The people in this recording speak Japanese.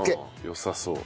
よさそう。